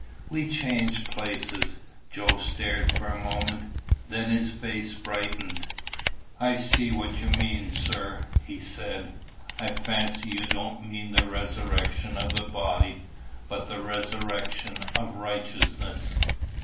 We changed places. Joe stared for a moment. Then his face brightened. "I see what you mean, sir," he said. "I fancy you don't mean the resurrection of the body, but the resurrection of righteousness."